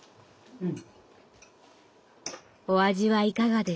うん。